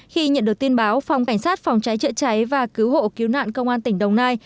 khi nhận được tin báo phòng cảnh sát phòng cháy chữa cháy và cứu hộ cứu nạn công an tỉnh đồng nai